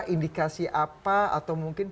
indikasi apa atau mungkin